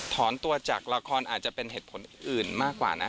ถอนตัวจากละครอาจจะเป็นเหตุผลอื่นมากกว่านะ